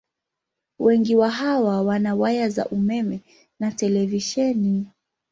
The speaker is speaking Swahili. Wengi wa hawa wana waya za umeme na televisheni.